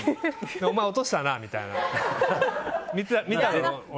お前、落としたなみたいな。